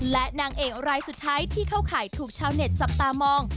และนางเอกรายสุดท้ายที่เข้าข่ายถูกชาวเน็ตจับตามอง